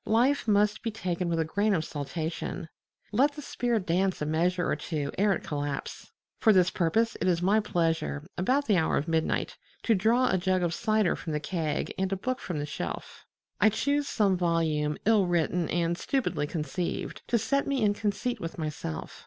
Life must be taken with a grain of saltation: let the spirit dance a measure or two ere it collapse. For this purpose it is my pleasure, about the hour of midnight, to draw a jug of cider from the keg and a book from the shelf. I choose some volume ill written and stupidly conceived, to set me in conceit with myself.